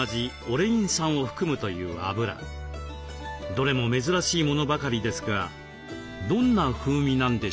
どれも珍しいものばかりですがどんな風味なんでしょうか？